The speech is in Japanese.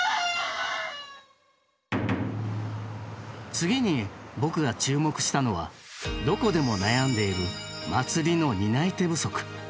次に僕が注目したのはどこでも悩んでいる祭りの担い手不足。